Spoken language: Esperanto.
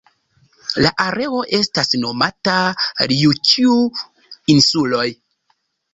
La areo estas nomata Rjukju-insuloj.